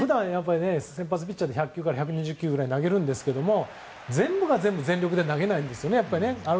先発ピッチャーって１００球から１２０球ぐらい投げるんですけど全部が全部、全力で投げないんです。